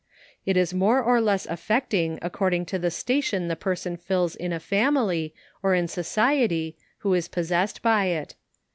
It is more or less af fecting according to the station the person fdls in a fami ly, or in society, who is possessed by it.